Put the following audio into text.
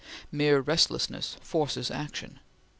Mere restlessness forces action.